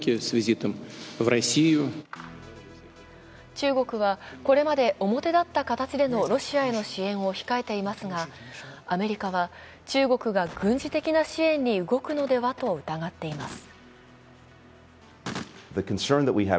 中国はこれまで表立った形でのロシアへの支援を控えていますがアメリカは中国が軍事的な支援に動くのではと疑っています。